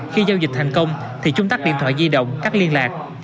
khi giao dịch thành công thì chúng tắt điện thoại di động cắt liên lạc